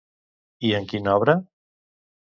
I en quina obra?